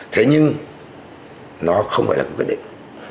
thế nhưng nó không phải là quyết định